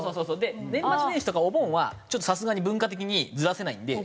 年末年始とかお盆はちょっとさすがに文化的にずらせないんで。